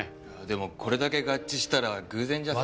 でもこれだけ合致したら偶然じゃ。